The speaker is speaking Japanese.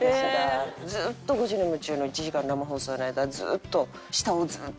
ずっと『５時に夢中！』の１時間生放送の間ずっと下をずっと吉田が。